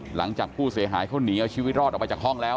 หลังจากผู้เสียหายเขาหนีเอาชีวิตรอดออกมาจากห้องแล้ว